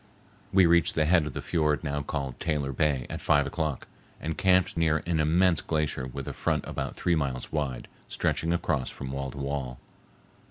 We reached the head of the fiord now called Taylor Bay at five o'clock and camped near an immense glacier with a front about three miles wide stretching across from wall to wall.